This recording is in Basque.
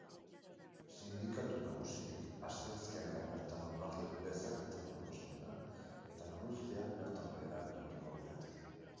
Sindikatu nagusiek asteazkenean bertan onar dezakete proposamena eta lanuzteak bertan behera geratuko lirateke.